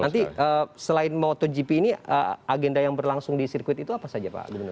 nanti selain motogp ini agenda yang berlangsung di sirkuit itu apa saja pak gubernur